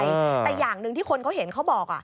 แต่อย่างหนึ่งที่คนเขาเห็นเขาบอก